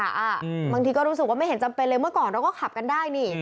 บางทีก็รู้สึกว่าไม่เห็นจำเป็นเลยเมื่อก่อนเราก็ขับกันได้นี่